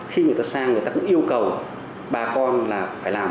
khi người ta sang người ta cũng yêu cầu bà con là phải làm